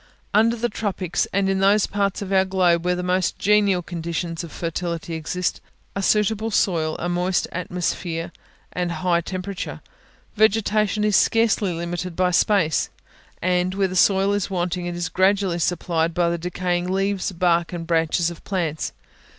Under the tropics, and in those parts of our globe where the most genial conditions of fertility exist, a suitable soil, a moist atmosphere, and a high temperature, vegetation is scarcely limited by space; and, where the soil is wanting, it is gradually supplied by the decaying leaves, bark and branches of plants.